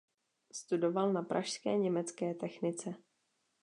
Studoval na pražské německé technice.